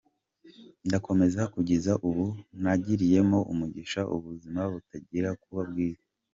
Ndakomeza kugeza ubu nagiriyemo umugisha ubuzima butangira kuba bwiza.